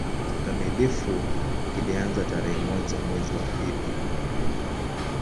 Kikamilifu kilianza tarehe moja mwezi wa pili